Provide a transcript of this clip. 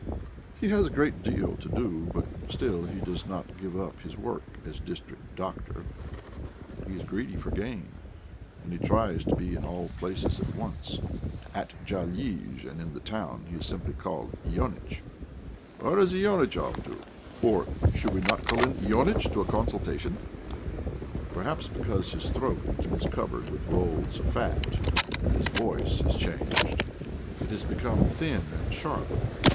He has a great deal to do, but still he does not give up his work as district doctor; he is greedy for gain, and he tries to be in all places at once. At Dyalizh and in the town he is called simply "Ionitch": "Where is Ionitch off to?" or "Should not we call in Ionitch to a consultation?" Probably because his throat is covered with rolls of fat, his voice has changed; it has become thin and sharp.